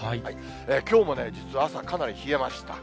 きょうも実は朝、かなり冷えました。